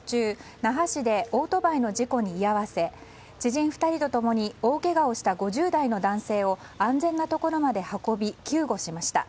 那覇市でオートバイの事故に居合わせ知人２人と共に大けがをした５０代の男性を安全なところまで運び救護しました。